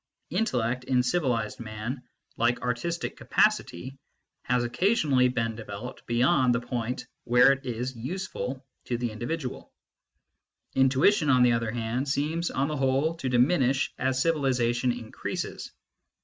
Intellect, in civilised man, like artistic capacity, has occasionally been developed beyond the point where it is useful to the individual ; intuition, on the other hand, seems on the whole to diminish as civilisation increases.